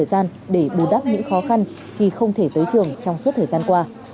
thời gian để bù đắp những khó khăn khi không thể tới trường trong suốt thời gian qua